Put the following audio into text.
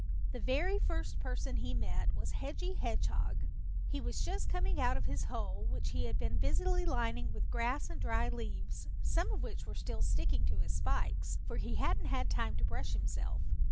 The very first person he met was Hedgy Hedgehog. He was just coming out of his hole, which he had been busily lining with grass and dry leaves, some of which were still sticking to his spikes, for he hadn't had time to brush himself.